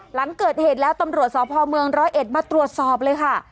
หลังเกิดเหตุแล้วตำรวจสพเมืองร้อยเอ็ดมาตรวจสอบเลยค่ะ